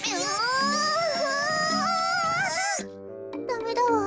ダメだわ。